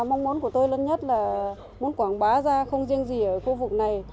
mong muốn của tôi lớn nhất là muốn quảng bá ra không riêng gì ở khu vực này